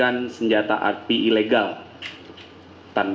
assalamualaikum wr wb